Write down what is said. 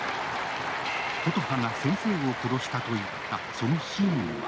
琴葉が先生を殺したと言ったその真意は。